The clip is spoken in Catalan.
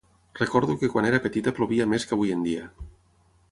Recordo que quan era petita plovia més que avui en dia.